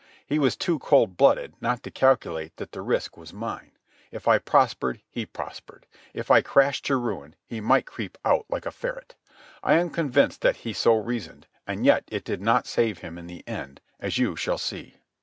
He was too cold blooded not to calculate that the risk was mine. If I prospered, he prospered. If I crashed to ruin, he might creep out like a ferret. I am convinced that he so reasoned, and yet it did not save him in the end, as you shall see.